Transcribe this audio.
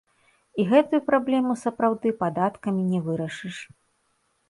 І гэтую праблему, сапраўды, падаткамі не вырашыш.